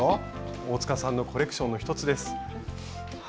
大塚さんのコレクションの一つです。